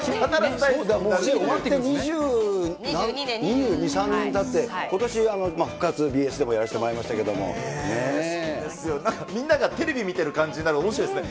終わってもう２２、３年たって、ことし復活、ＢＳでもやらせみんながテレビ見てる感じになるのおもしろいですね。